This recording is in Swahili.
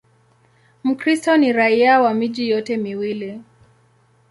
Mkristo ni raia wa miji yote miwili.